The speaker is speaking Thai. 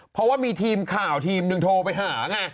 เพราะว่ามีทีมข่าวทีมหนึ่งโทรไปหาไง